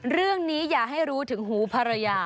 เรื่องนี้อย่าให้รู้ถึงหูภรรยา